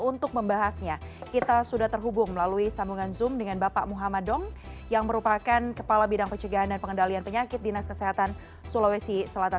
untuk membahasnya kita sudah terhubung melalui sambungan zoom dengan bapak muhammad dong yang merupakan kepala bidang pencegahan dan pengendalian penyakit dinas kesehatan sulawesi selatan